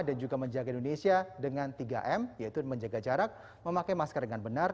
dan juga menjaga indonesia dengan tiga m yaitu menjaga jarak memakai masker dengan benar